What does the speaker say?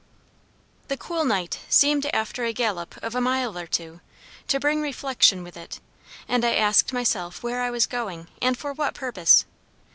"The cool night seemed after a gallop of a mile or two, to bring reflection with it, and I asked myself where I was going, and for what purpose.